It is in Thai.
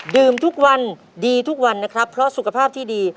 ดื่มทุกวันดีทุกวันนะครับเพราะสุขภาพที่ดี